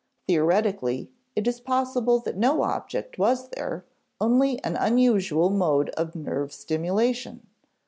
Theoretically, it is possible that no object was there, only an unusual mode of nerve stimulation.